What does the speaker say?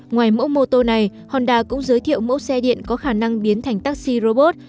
ngoài mẫu mô tô này honda cũng giới thiệu mẫu xe điện có khả năng biến thành taxi robot